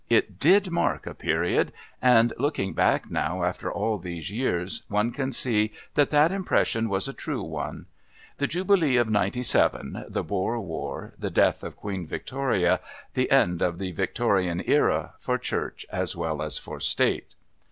It did mark a period, and looking back now after all these years one can see that that impression was a true one. The Jubilee of '97, the Boer War, the death of Queen Victoria the end of the Victorian Era for Church as well as for State.